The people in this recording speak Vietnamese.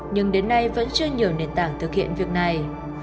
nhưng đến nay vẫn chưa nhiều nền tảng thực hiện việc này